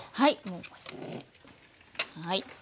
もうこれではい。